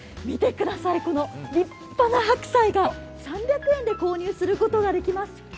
見てください、この立派な白菜が３００円で購入することができます。